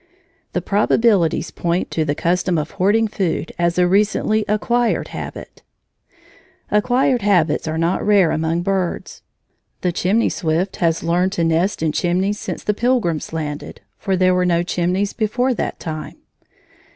The probabilities point to the custom of hoarding food as a recently acquired habit. Acquired habits are not rare among birds. The chimney swift has learned to nest in chimneys since the Pilgrims landed; for there were no chimneys before that time.